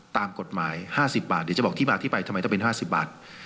ตามกฎหมาย๕๐บาทเดี๋ยวจะบอกที่มาที่ไปทำไมต้องเป็น๕๐บาท